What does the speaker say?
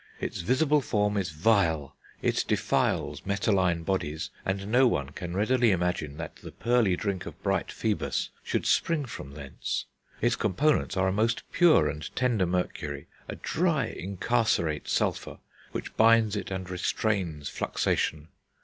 Its visible form is vile; it defiles metalline bodies, and no one can readily imagine that the pearly drink of bright Phoebus should spring from thence. Its components are a most pure and tender mercury, a dry incarcerate sulphur, which binds it and restrains fluxation....